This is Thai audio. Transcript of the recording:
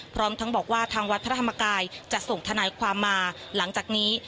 พร้อมทั้งบอกว่าทางวัดพระธรรมกายจะส่งทนายความมาหลังจากนี้